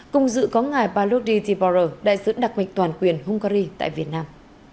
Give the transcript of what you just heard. cùng dự có ngài paludy t borough đại sứ đặc mệnh toàn quyền hungary tại việt nam